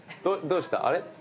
どうしたの？